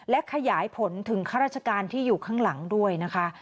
และขยายผลถึงข้าราชการที่อยู่ข้างหลังด้วยนะคะ